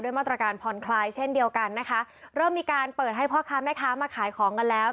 มาตรการผ่อนคลายเช่นเดียวกันนะคะเริ่มมีการเปิดให้พ่อค้าแม่ค้ามาขายของกันแล้ว